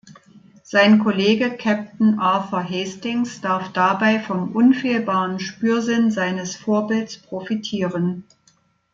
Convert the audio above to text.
Sein Kollege Captain Arthur Hastings darf dabei vom unfehlbaren Spürsinn seines Vorbilds profitieren.